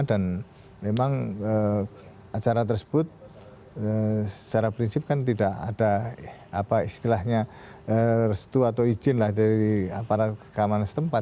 dan memang acara tersebut secara prinsip kan tidak ada istilahnya restu atau izin dari aparat keamanan setempat